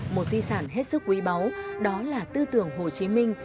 một di sản hết sức quý báu đó là tư tưởng hồ chí minh